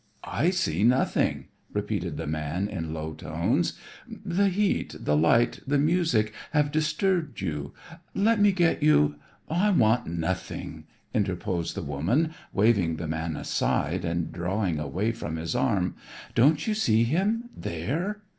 "I see nothing," repeated the man in low tones. "The heat, the light, the music, have disturbed you; let me get you " "I want nothing," interposed the woman, waving the man aside and drawing away from his arm. "Don't you see him, there?"